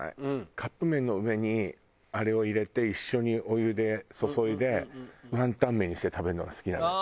カップ麺の上にあれを入れて一緒にお湯で注いでワンタン麺にして食べるのが好きなのよ。